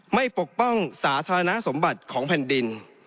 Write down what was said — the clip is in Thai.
ปกป้องสาธารณสมบัติของแผ่นดิน